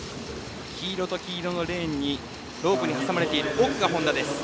黄色と黄色のレーンにロープに挟まれているのが本多です。